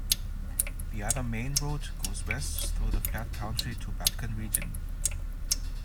The other main road goes west through the flat country to Batken Region.